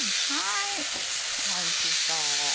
おいしそう。